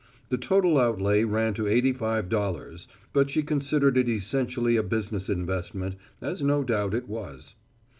The total outlay ran to eighty five dollars, but she considered it essentially a business investment, as no doubt it was.